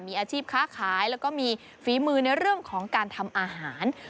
มีอาชีพค้าขายแล้วก็มีฝีมือในเรื่องของการทำอาหาร